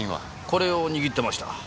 これを握ってました。